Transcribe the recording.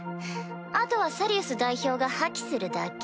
あとはサリウス代表が破棄するだけ。